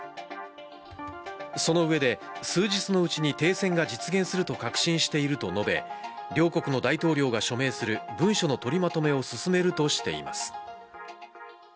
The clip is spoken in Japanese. その上で数日のうちに停戦が実現すると確信していると述べ、両国の大統領が署名する文書の取りまとめを進めるとしています。